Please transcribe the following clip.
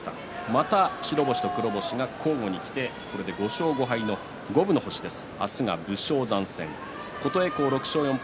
また白星と黒星が交互にきてこれで５勝５敗の五分の星です。